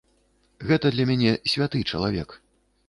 Гэта для мяне святы чалавек.